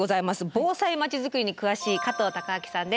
防災町づくりに詳しい加藤孝明さんです。